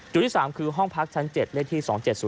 ที่๓คือห้องพักชั้น๗เลขที่๒๗๐